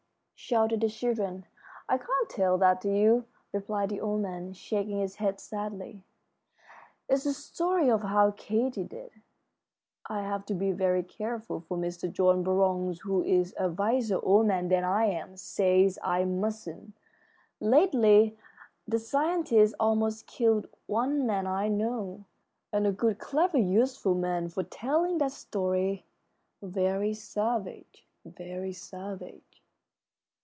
shouted the children. "I can't tell that to you," replied the old man, shaking his head sadly. "It's the story of 'How Katy Did.' I have to be very careful, for Mr. John Burroughs, who is a wiser old man than I am, says I mustn't. Lately the scientists almost killed one man I know, and a good, clever, useful man, for telling that story very savage, very savage."